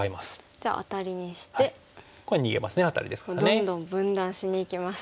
どんどん分断しにいきます。